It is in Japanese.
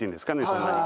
そんなに。